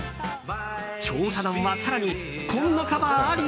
調査団は更に、こんなカバーあり？